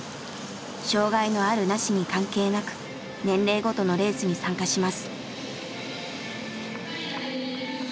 障害のあるなしに関係なく年齢ごとのレースに参加します。